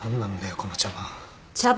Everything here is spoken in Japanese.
この茶番。